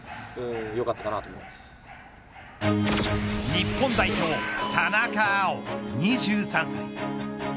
日本代表、田中碧２３歳。